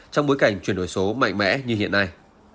trong bối cảnh chuyển đổi số mạnh mẽ như hiện nay